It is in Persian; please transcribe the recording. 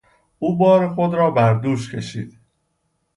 او بار خود را بر دوش کشید.